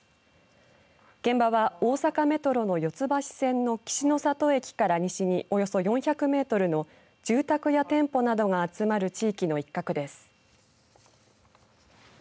現場は大阪メトロの四つ橋線の岸里駅から西におよそ４００メートルの住宅や店舗などが集まる地域の一角です。